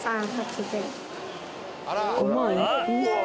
うわ。